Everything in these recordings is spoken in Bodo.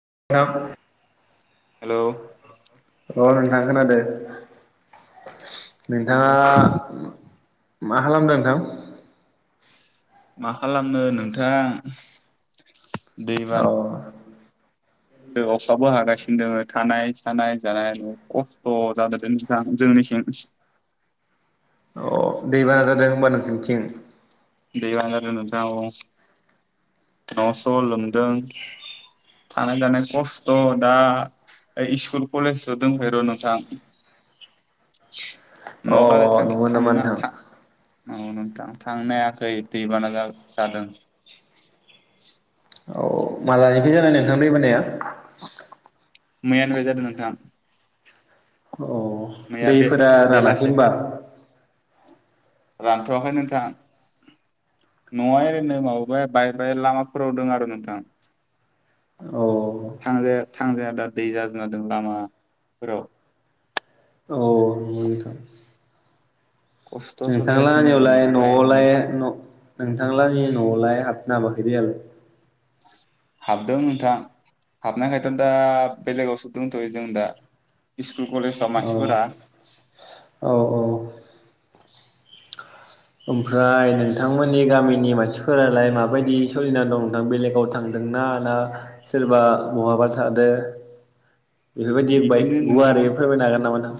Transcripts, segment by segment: [unintelligible] हेलौ अ नोंथां खोनादों। औ नोंथाङा। मा खालामदों नोंथां? मा खालामो नोंथां। औ दैबाना अखाबो हागासिनो दोङो थानाय थानाय जानाय खस्थ' जादों नोंथां जोंनि थिं अ दैबाना जादों होनबा नोंसिनिथिं। दैेबान जादों नोंथां औ। न'स' लोमदों थानाय जानाय खस्थ' दा सिस्कुल कलेजस दंफै र' नोंथां अ न' गालाय नुगो नामा थांना नोंथां। थां औ नोंथां थांनो हायाखै दैबाना जादों। औ। मालानिफ्राय जानाय नोंथां दैबानाया? [inaudible] मैयानिफ्राय बे जादों नोंथां। अ मैया बे दैफोरा रानाखै बेलासि होनबा? रानथ'वाखै नोंथां न'आ ओरैनो माबाय बाय बाय लामाफोराव दं आरो नोंथां। औ थांजाया थांजाया दा दै जाजोबना दं लामाफोराव [inaudible] खस्थ' सोलिगासिनो दोङो नोंथांलाहानियावलाय नोंथां दा इदिनो न'आवलाय न' नोंथांलाहानि न'आवलाय हाब ना हाबाखै दैयालाय? हाबदों नोंथां हाबनायखायथ' दा बेलेगावसो दोंथ'यो जों दा। इस स्कुल कलेजाव मानसिफोरा [inaudible] अ औ औ ओमफ्राय नोंथांमोननि गामि नि मानसिफोरालाय माबायदि सोलिना दं नोंथां बेलेगाव थांदोंना ना सोरबा बहाबा थादो बेफोरबायदि बाय इदिनो नोंथां गुवारै फोरमायनो हागोन नामा नोंथां?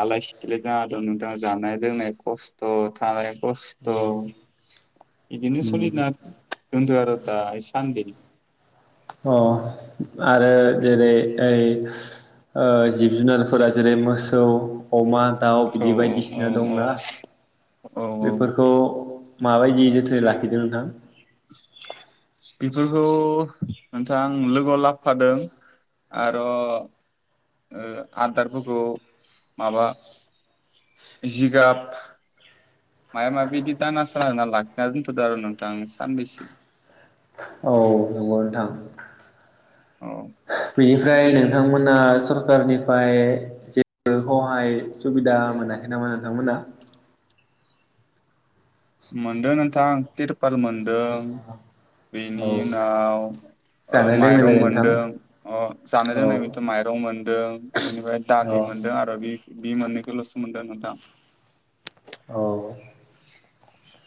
आलाय सिलाय जाना दों नोंथां जानाय लोंनाय खस्थ' थानाय खस्थ' बिदिनो सोलिना दथ'यो र' दासान्दि अ आरो जेरै ओइ ओ जिब जुनारफोरा जेरै मोसौ अमा दाउ औ बिदि औ बायदिसिना औ दंना औ बेफोरखौ माबायदि जोथोनै लाखिदों नोंथां? फोरखौ नोंथां लोगोआव लाबोफादों आरो ओ आदारफोरखौ माबा जिगाब मायाबा माबि बिदि दाना साल होनना लाखिना दोनथ'दो आरो नोंथां साननैसो। औ नोंगौ नोंथां। औ बेनिफ्राय नोंथांमोना सरकारनिफ्राय जेबो हहाय सुबिदा मोनाखै नामा नोंथांमोना? मोनदों नोंथां तिर पाल मोन्दों औ बेनि उनाव ओ जानाय माइरं लोंनायलाय नोंथां मोनदों ओ जानाय औ लोंनायनिथ' माइरं मोन्दों बेनिफ्राय दालि औ मोनदों आरो बि बि मोननैखौल'सो मोनदों नोंथां। औ। [inaudible]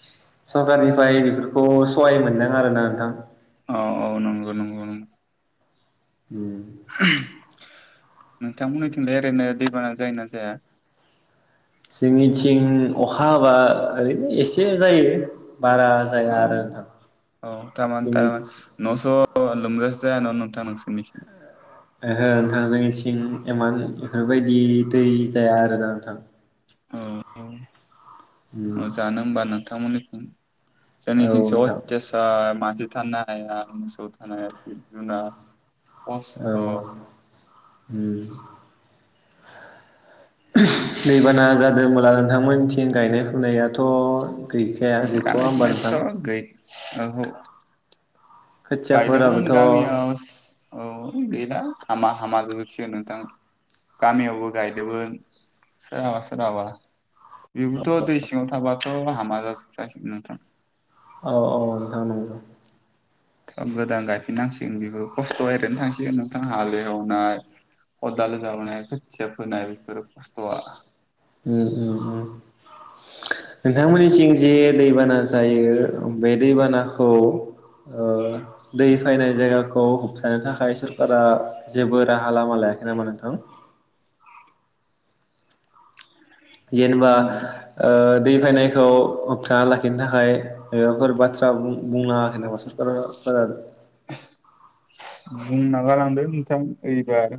सरकारनिफ्राय बेफोरखौ सहाय मोनदों आरोना नोंथां। औ औ नंगौ नंगौ नंगौ। उम। नोंथांमोननिथिंलाय ओरैनो दैबाना जायो ना जाया? जोंनिथिं अखा हाबा ओरैनो एसे एसे जायो बारा जाया औ आरो नोंथां जोंनि लोमनो जायान'नोंथां नोंसोरनिखिं? बेयायदि दै जाया आरोना नोंथां। उम औ जानो ओमबा नों नोंथां मोननिखिं। औ जोंनिखासो नोंथां अयतासार थानो हाया मोसौ थानो जिब -जुनार औ उम [unintelligible] दैबाना जादोंब्ला नोंथां मोनथिं गायनाय फुनायाथ गैखाया गैथ'वा होमबा नोंथां‌? औ हो गायदोंमोन खोथियाफोराबोथ' औ गामियाव औ गैला। हामा -हामा जाजोबसिगोन नोंथां गामियावबो गायदोंमोन सोरहाबा सोरहाबा बेबोथ' दै सिङाव थाबाथ' हामा जाजोबजासिगोन नोंथां। औ- औ नंथां नंगौ। गोदान गायफिननांसिगोन बेबो खस्थ' ओरैनो थांसिगोन नोंथां हालेवनाय खदाल जावनाय खोथिया फोनाय बेफोर खस्थ'आ। उम-उम -उम नोंथांमोननिथिं जे दैबाना जायो बे दै बाना खौ ओ दै फायनाय जायगाखौ [unintelligible] थाखाय सोरकारा जेबो राहा लामा लायाखै नामा नोंथां? जेनेबा उम, ओ दै फायनायखौ होबथाना लाखि नो थाखाय मायबाफोर बाथ्रा बुंलांङाखै नामा सखार फोराबो? बुंनो नागालांदों नोंथां ओइबार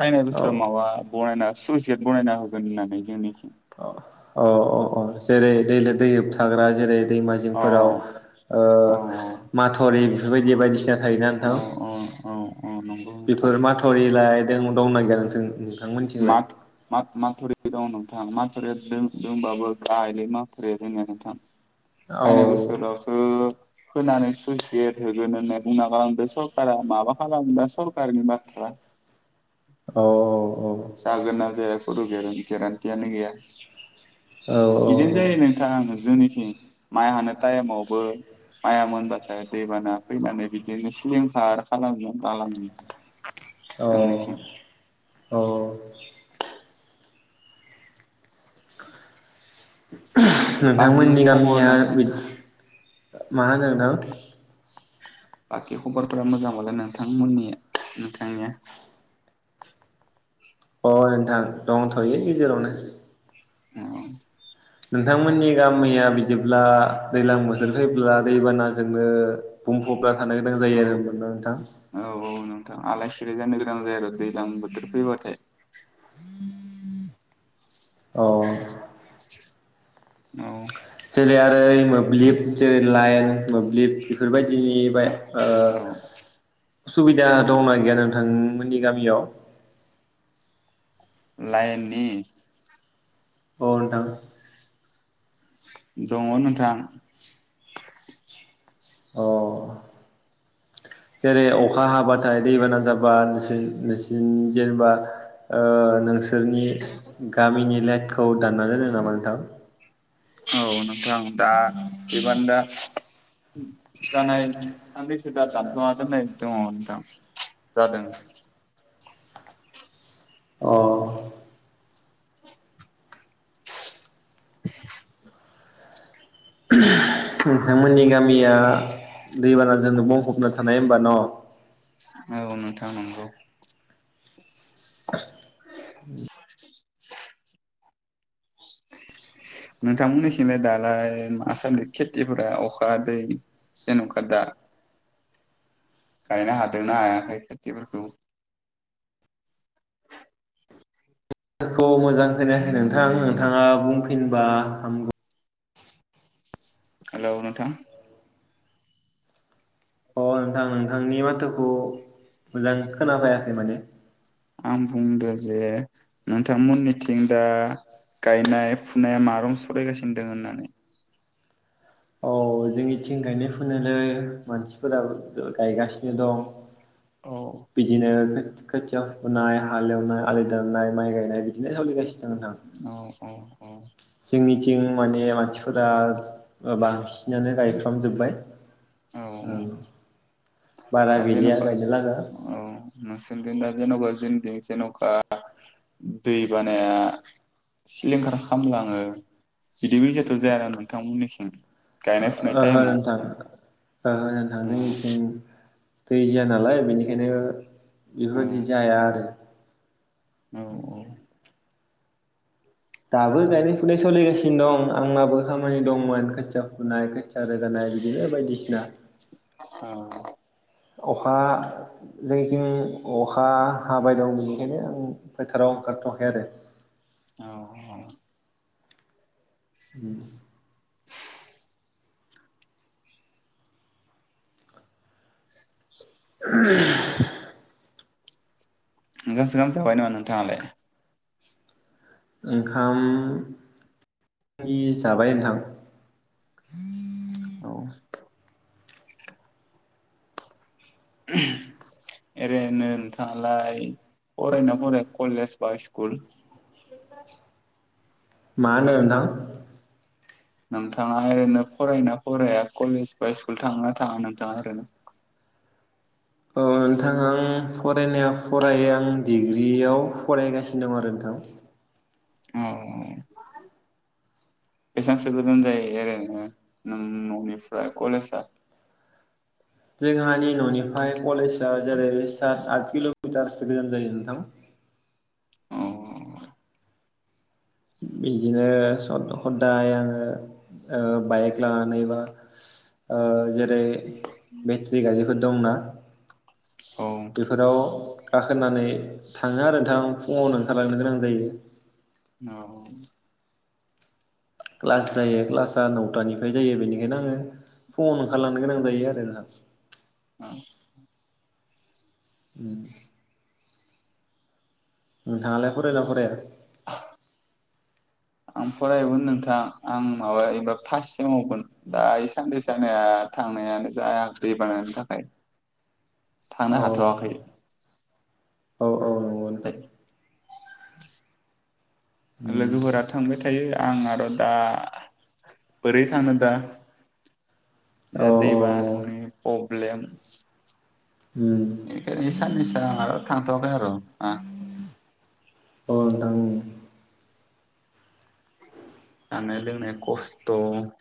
फायनाय बोसोराव औ माबा बनायना सुइसेट बनायना होगोन होननानै जोंनिथिं अ- अ -अ जेरै दै ले दै थाग्रा जेरै अ दैमाजिंफोराव ओ माथावरि बेफोरबायदि बायदिसिना थायोना नोंथां औ औ औ औ नंगौ नोंथां बिफोर माथावरिलाय देमु दंना गैया नोंथां नोंथांमोनथिंलाय माथ माथ माथरि दं नोंथां [unintelligible] माथुरिया दों दोंबाबो गाहायलै माथुरिया जोंनिया नोंथां औ फायनाय बोसोरावसो खोनानै सुइसगेट होगोन होननानै बुंना गालांदो सरकारा माबा खालाम दा सरखारानि बाथ्रा औ जागोना जाया खुनु गेरान्थि गेरान्थियानो गैया औ बिदिनो जायो नोंथां जोंनिखि माइ हानो टाइमावबो माइया मोनबाथाय दैबाना फैनानै बिदिनो सिलिंखार खालाना गालाङो जोंनिथिं अ [inaudible] बाखि नोंथांमोननि खबर गामिया नोंथां बिद मा होनो नोंथां बाकि खबरफोरा मोजां बालाय नोंथांमोननि नोंथांनिया अ नोंथां दंथ'यो गेजेरावनो अ नोंथांमोननि गामिया बिदिब्ला दैज्लां बोथोर फैब्ला दैबानाजों नो बुंफबना थानो गोनां औ जायो आरो ओमबा नोंथां औ नोंथां [unintelligible] [unintelligible] दैज्लां बोथोर फैबाथाय औ [inaudible] औ जेरै आरो मोब्लिब जेरै लाइन मोब्लिब बेफोरबायदिनि बाय औ ओ सुबिदा दंना गैया नोंथांमोन नि गामियाव लाइननि अ नोंथां दङ नोंथां अ जेरै अखा हाबाथाय दैबाना जाबा नोंसोर नोंसोरनि जेनेबा ओ नोंसोर सोरनि गामिनि लाइन खौ दानना दोनदों नामा नोंथां? औ नोंथां दा एबान दा जानाय साननैसो दा जानथ'आखै नै दङ जादों औ [inaudible] नोंथांमोननि गामिया दैबानाजोंनो बुंफबना थानाय होनबा न' औ नोंथां नंगौ [inaudible] नोंथांमोननिखिंलाय दालाय मा सानदि खेथिफोरा अखा दै जेन'खा दा गायनो हादोंना हायाखै खेथिफोरखौ? माथोखौ मोजां खोनायाखै नोंथां नों थाङा बुंफिनबा हामगौ हेलौ नोंथां अ नोंथां नोंथांनि माथोखौ मोजां खोनाफायाखै माने आं बुंदों जे नोंथांमोननिथिं दा गायनाय फुनाया मा रखम सोलायगासिनो दं होननानै? औ जोंनिथिं गायनाय फुनायालाय मानसिफोरा गायगासिनो दं। औ बिदिनो खो खोथिया फुनाय हालेवनाय आलि दाननाय माइ गायनाय बिदिनो [unintelligible] औ‌ औ जोंनिथिं माने मानसिफोरा बा बांसिनानो गायफ्रामजोबबाय औ औ बारा आरो गैलिया जेनबा गायनो लागा औ नोंसिनिखै दा जेनबा जोंनिथिं जेनखा दै बानाया सिलिंखार खालामलाङो बिदि बायसाथ' जायाना नोंथांमोननिखिं गायनाय फुनाय ओहो टाइमाव? नोंथां ओहो नोंथां औ जोंनिथिं दै जाया नालाय बेनि खायनो औ बेफोरबायदि जाया आरो। औ औ दाबो गायनाय फुनाय सोलिगासिनो दं आंनाबो खामानि दं। हौवानि खोथिया फुनाय खोथि थिया रोगानाय बिदिनो बायदिसिना औ अखा जोंथिं अखा हाबाय दं बेनिखायनो आं फोथाराव ओंखारथ'खै आरोे औ उम [inaudible] ओंखाम सोंखाम जाबाय नामा नोंथाङालाय? ओंखाम नि जाबाय नोंथां। औ ओरैनो नोंथाङालाय फरायो ना फराया कलेज बा स्कुल। मा होनदों नोंथां? नोंथाङा ओरैनो फरायो ना फराया कलेज बा स्कुल थांङो ना थाङा नोंथाङा ओरैनो? औ नोंथां आं फरायनायाव फरायो आं डिग्रियाव फरायगासिनो दं आरो नोंथां। औ बेसांसो गोजान जायो ओरैनो ननिफ्राय कलेजा? जोंहानि न'निफ्राय कलेजआ जेरै सात आट किल' मिथारसो गोजान जायो नोंथां। औ बिदिनो साद' खदाय आङो ओ बाइक लाानानै एबा ओ जेरै बेटारि गारिफोर दंना औ बेफोराव गाखोनानै थाङो आरो नोंथां फुङावनो ओंखारलांनो गोनां जायो। औ क्लास जायो क्लासा नौ थानिफ्राय जायो बेनिखायनो आङो फुंआव नो ओंखारलांनो गोनां जायो आरो नोंथां‌। उम नोंथाङालाय फरायो ना फराया? आं फरायोमोन नोंथां आं माबा एबार फार्स सेमावमोन दा इ साननैसो आंङो थांनायानो जायाखै दै बानानि थाखाय थांनो औ हाथ'वाखै औ औ नंगौ नोंथां [unintelligible] उम लोगोफोरा थांबाय थायो आं आरो दा बोरै थाङो दा औ दा दै औ बानानि अ प्रब्लेम उम इ साननैसोआ थांथ'आखै आरो आ अ नोंथां जानाय लोंनाया खस्थ'